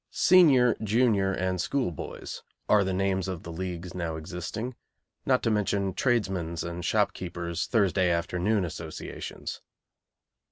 Senior, junior, and school boys' are the names of the leagues now existing, not to mention tradesmen's and shopkeepers' Thursday afternoon associations.